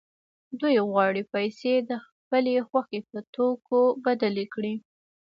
دوی غواړي پیسې د خپلې خوښې په توکو بدلې کړي